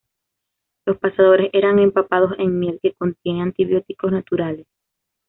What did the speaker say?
Los pasadores eran empapados en miel, que contiene antibióticos naturales.